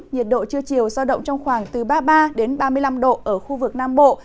nhiệt độ trưa chiều giao động trong khoảng từ ba mươi ba đến ba mươi năm độ ở khu vực nam bộ